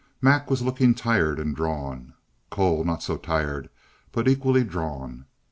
Mac was looking tired and drawn, Cole not so tired, but equally drawn.